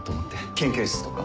研究室とか？